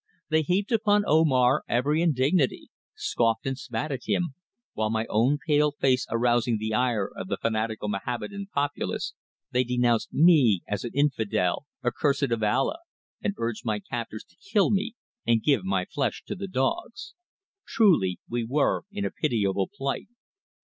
They heaped upon Omar every indignity, scoffed and spat at him, while my own pale face arousing the ire of the fanatical Mohammedan populace, they denounced me as an infidel accursed of Allah, and urged my captors to kill me and give my flesh to the dogs. Truly we were in pitiable plight.